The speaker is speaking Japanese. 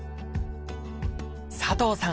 佐藤さん